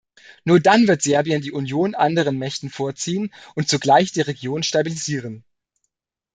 Nur dann wird Serbien die Union anderen Mächten vorziehen und zugleich die Region stabilisieren.